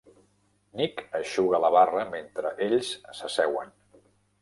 Nick eixuga la barra mentre ells s'asseuen.